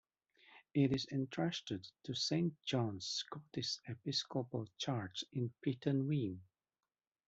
It is entrusted to Saint John's Scottish Episcopal Church in Pittenweem.